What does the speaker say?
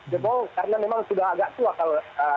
jebol karena memang sudah agak tua dinding kayu tersebut